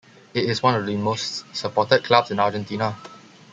It is one of the most supported clubs in Argentina.